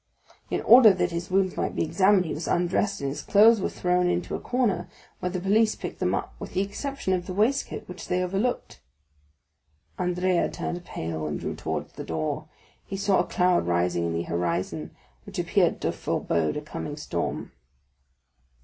"In order that his wounds might be examined he was undressed, and his clothes were thrown into a corner, where the police picked them up, with the exception of the waistcoat, which they overlooked." Andrea turned pale, and drew towards the door; he saw a cloud rising in the horizon, which appeared to forebode a coming storm.